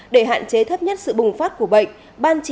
để hạn chế thấp nhất sự bùng phát của bệnh